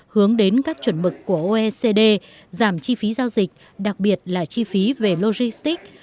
hướng đến các chuẩn mực của oecd giảm chi phí giao dịch đặc biệt là chi phí về logistics